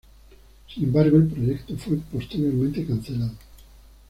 Sin embargo, el proyecto fue posteriormente cancelado.